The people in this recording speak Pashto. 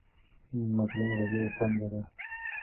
متلونه د ژبې پانګه ده.